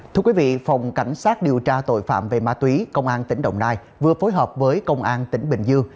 thưa quý vị phòng cảnh sát điều tra tội phạm về ma túy công an tỉnh đồng nai vừa phối hợp với công an tỉnh bình dương